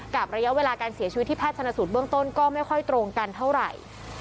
ระยะเวลาการเสียชีวิตที่แพทย์ชนสูตรเบื้องต้นก็ไม่ค่อยตรงกันเท่าไหร่